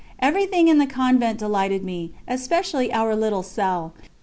Everything in the Convent delighted me, especially our little cell.